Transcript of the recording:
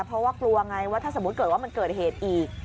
เพราะว่ากลัวไงว่าถ้าสมมุติเกิดว่ามันเกิดเหตุอีก